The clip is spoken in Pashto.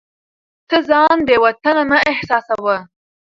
ته ځان بې وطنه مه احساسوه.